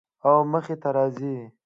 او مخې ته راځي